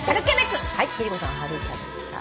貴理子さん「春キャベツ」